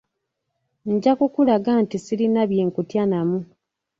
Nja kukulaga nga sirina bye nkutya namu.